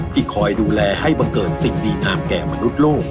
คอยดูแลให้บังเกิดสิ่งดีงามแก่มนุษย์โลก